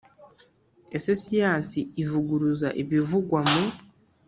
Ese siyansi ivuguruza ibivugwa mu